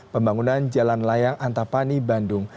pembangunan jalan layang antapani bandung